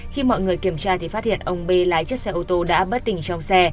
khi mọi người kiểm tra thì phát hiện ông bê lái chiếc xe ô tô đã bất tỉnh trong xe